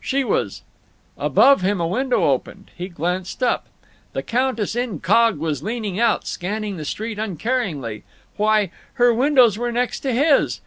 She was— Above him a window opened. He glanced up. The countess incog. was leaning out, scanning the street uncaringly. Why—her windows were next to his!